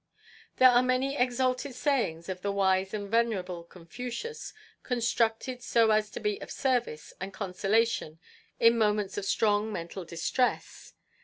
There are many exalted sayings of the wise and venerable Confucious constructed so as to be of service and consolation in moments of strong mental distress.